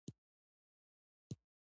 طبیعي زیرمې د افغانستان د زرغونتیا نښه ده.